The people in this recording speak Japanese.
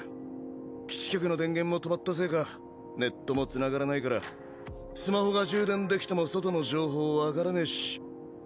基地局の電源も止まったせいかネットもつながらないからスマホが充電できても外の情報分からねぇし。